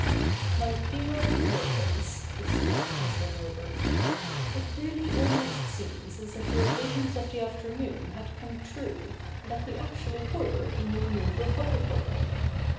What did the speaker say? ' My dear Laurence,' exclaimed Mr. Herbert, 'it really almost seems as if your visions of the afternoon had come true, and that we actually were in your new Re public already.